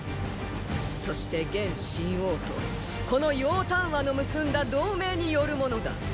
そして現秦王とこの楊端和の結んだ同盟によるものだ。